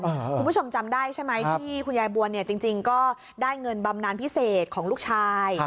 คุณผู้ชมจำได้ใช่ไหมที่คุณยายบวนเนี่ยจริงก็ได้เงินบำนานพิเศษของลูกชาย